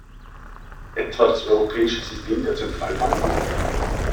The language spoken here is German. Etwa das Europäische System der Zentralbanken?